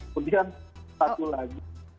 kemudian satu lagi